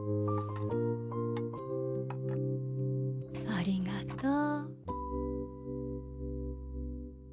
ありがとう。